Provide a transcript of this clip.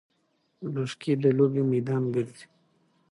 لږکي د لوبې میدان ګرځي.